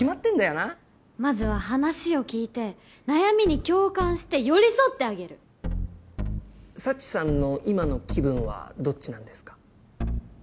なまずは話を聞いて悩みに共感して寄り佐知さんの今の気分はどっちなんですか？